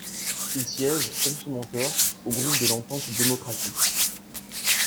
Il siège, comme son mentor, au groupe de l'Entente démocratique.